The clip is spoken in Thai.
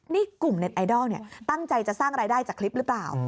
นี่กลุ่มเน็ตไอดอลตั้งใจจะสร้างรายได้จากคลิปหรือเปล่า